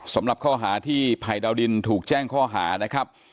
สำหรับข้อหาที่ภัยดาวดินถูกแจ้งข้อหานะครับ